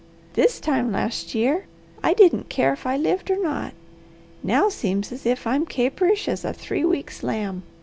This time last year I didn't care if I lived or not. Now seems as if I'm caperish as a three weeks' lamb.